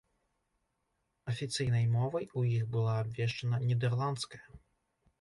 Афіцыйнай мовай у іх была абвешчана нідэрландская.